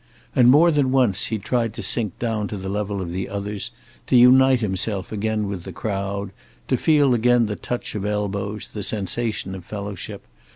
And more than once he tried to sink down to the level of the others, to unite himself again with the crowd, to feel again the touch of elbows, the sensation of fellowship.